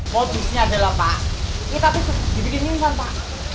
fokusnya adalah pak kita tuh dibikin insan pak